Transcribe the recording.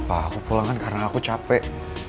ah aku pulang kan karena aku capek